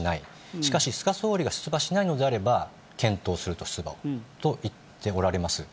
しかし、菅総理が出馬しないのであれば、検討すると出馬をと言っておられます。